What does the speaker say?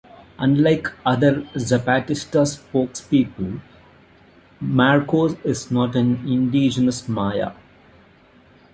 Unlike other Zapatista spokespeople, Marcos is not an indigenous Maya.